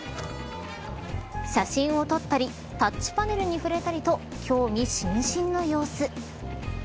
写真を撮ったりタッチパネルに触れたりと興味津々の様子。